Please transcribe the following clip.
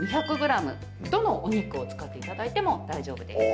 どのお肉を使っていただいても大丈夫です。